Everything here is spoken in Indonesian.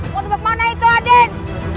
mau tembak mana itu aden